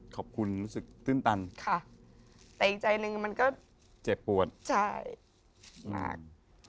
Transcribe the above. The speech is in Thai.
รู้สึกตื้นตันค่ะแต่อีกใจหนึ่งมันก็เจ็บปวดใช่มาก